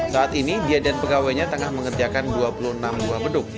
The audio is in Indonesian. saat ini dia dan pegawainya tengah mengerjakan dua puluh enam buah beduk